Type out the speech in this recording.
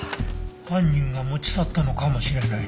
犯人が持ち去ったのかもしれないね。